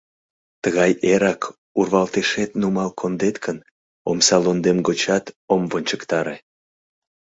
Тыгай эрак урвалтешет нумал кондет гын, омса лондем гочат ом вончыктаре.